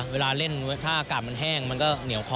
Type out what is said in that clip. เวลาเล่นถ้าอากาศมันแห้งมันก็เหนียวคอ